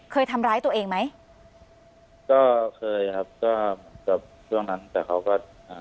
เคยทำร้ายตัวเองไหมก็เคยครับก็กับช่วงนั้นแต่เขาก็อ่า